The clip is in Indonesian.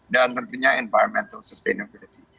dan tentunya environmental sustainability